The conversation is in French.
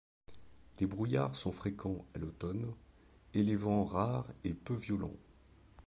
Les brouillards sont fréquents à l'automne et les vents rares et peu violents.